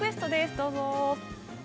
どうぞ。